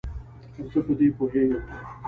زه په دې پوهیږم.